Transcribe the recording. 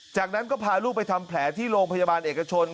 จากนั้นก็พาลูกไปทำแผลที่โรงพยาบาลเอกชน